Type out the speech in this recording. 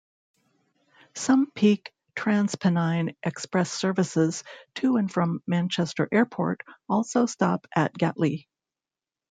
Some peak TransPennine Express services to and from Manchester Airport also stop at Gatley.